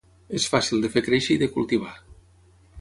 És fàcil de fer créixer i de cultivar.